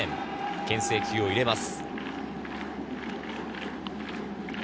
けん制球を入れます。